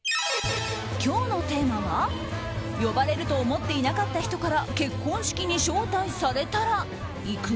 今日のテーマは呼ばれると思っていなかった人から結婚式に招待されたら行く？